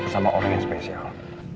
sama orang yang spesial